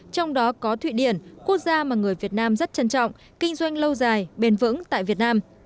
trong đó có thụy điển quốc gia mà người việt nam rất trân trọng kinh doanh lâu dài bền vững tại việt nam